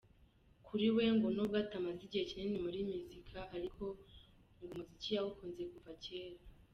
Kuri we ngo nubwo atamaze igihe kinini muri muzika, ngo umuziki yawukunze kuva kera.